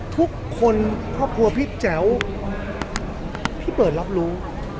ทุกคนครอบครัวพี่แจ๋วพี่เบิร์ดรับรู้